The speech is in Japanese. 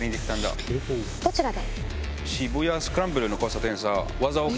どちらで？